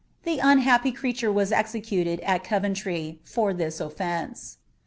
The unhappy creature was Omoim} at Coventry for this oflence.'